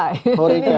ini istilah istilah ini